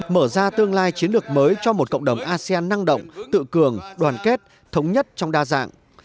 mở ra tương lai chiến lược mới cho một cộng đồng asean năng động tự cường đoàn kết thống nhất trong đa dạng